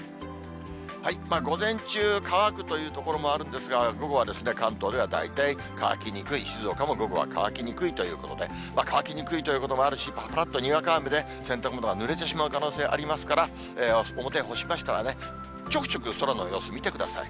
午前中、乾くという所もあるんですが、午後は関東では大体乾きにくい、静岡も午後は乾きにくいということで、乾きにくいということもあるし、ぱらぱらっとにわか雨で、洗濯物がぬれてしまう可能性がありますから、表に干しましたらね、ちょくちょく、空の様子見てください。